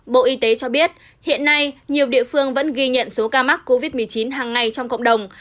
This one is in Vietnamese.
bộ y tế cho biết hiện nay nhiều địa phương vẫn ghi nhận số ca mắc covid một mươi chín hàng ngày trong cộng đồng